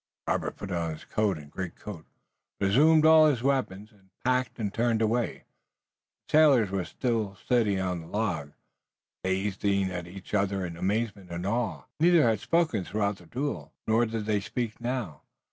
Robert put on his coat and greatcoat, resumed all his weapons and his pack and turned away. The sailors were still sitting on the log, gazing at each other in amazement and awe. Neither had spoken throughout the duel, nor did they speak now.